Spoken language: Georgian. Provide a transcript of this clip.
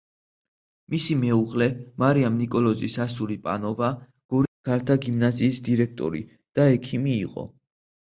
მისი მეუღლე, მარიამ ნიკოლოზის ასული პანოვა, გორის ქალთა გიმნაზიის დირექტორი და ექიმი იყო.